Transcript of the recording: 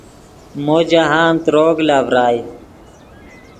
مو جاہند تروگ لا ڤرائے